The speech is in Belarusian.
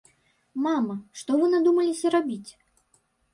Мама, што вы надумаліся рабіць?